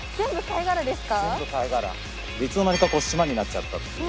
いつの間にかこう島になっちゃったっていう。